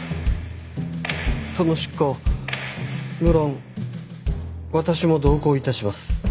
その執行無論私も同行致します。